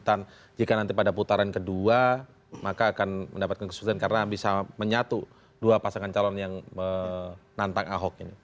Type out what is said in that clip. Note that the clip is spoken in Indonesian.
dan kedua maka akan mendapatkan kesulitan karena bisa menyatu dua pasangan calon yang menantang auk ini